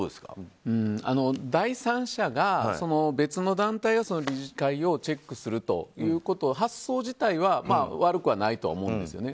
第三者が、別の団体が理事会をチェックするという発想自体は悪くはないと思うんですよね。